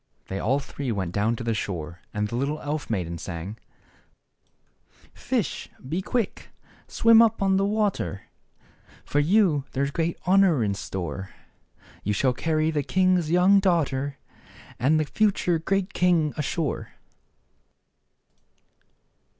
They all three went down to the shore, and the little elf maiden sang :" Fish, be quick, swim up on the water; For you there's great honor in store : You shall carry the king's young daughter, And the future great king ashore."